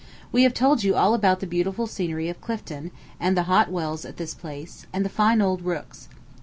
We have told you all about the beautiful scenery of Clifton, and the Hot Wells at this place, and the fine old rooks.